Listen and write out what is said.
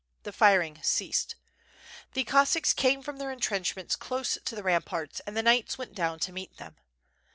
The firing ceased. The Cossacks came from their entrenchments close to the ramparts, and the knights went down to meet them.